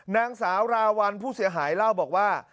นางสาวราวัลผู้เสียหายเล่าบอกว่า